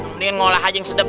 mendingan ngolah aja yang sedap